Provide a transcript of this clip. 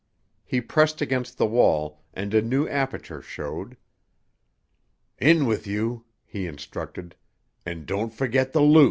He pressed against the wall, and a new aperture showed. "In with you," he instructed, "and don't forget the loot."